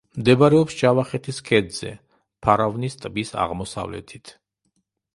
მდებარეობს ჯავახეთის ქედზე, ფარავნის ტბის აღმოსავლეთით.